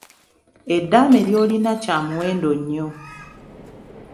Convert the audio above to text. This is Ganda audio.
Eddaame ly’olina kya muwendo nnyo.